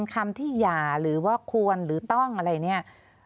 คำที่หย่าหรือว่าควรหรือต้องอะไรเนี่ย